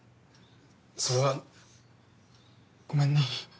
それはごめんな。